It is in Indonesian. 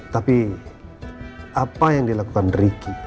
tapi apa yang dilakukan ricky